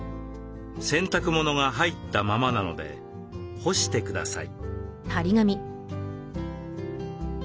「洗濯物が入ったままなので干してください」。